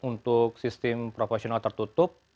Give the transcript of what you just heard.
kuat untuk sistem profesional tertutup